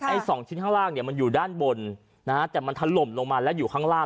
สองชิ้นข้างล่างเนี่ยมันอยู่ด้านบนนะฮะแต่มันถล่มลงมาแล้วอยู่ข้างล่าง